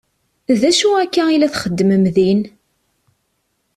D acu akka i la txeddmem din?